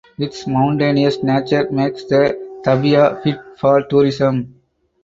Its mountainous nature makes the "tabia" fit for tourism.